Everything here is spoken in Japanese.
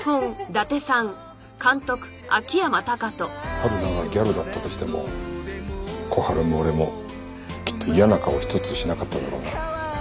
春菜がギャルだったとしても小春も俺もきっと嫌な顔一つしなかっただろうな。